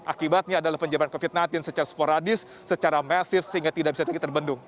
akibatnya adalah penjabat covid sembilan belas secara sporadis secara masif sehingga tidak bisa lagi terbendung